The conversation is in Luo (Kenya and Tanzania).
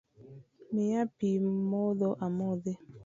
Miya pi modho amodhi.